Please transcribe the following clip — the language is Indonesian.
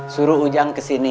suru ujang kesini